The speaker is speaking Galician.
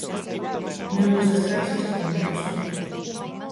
Membros das Caixas reunidos onte